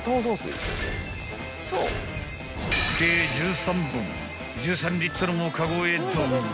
［計１３本１３リットルもカゴへドン！］